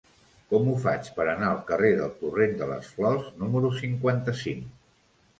Com ho faig per anar al carrer del Torrent de les Flors número cinquanta-cinc?